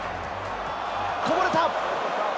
こぼれた！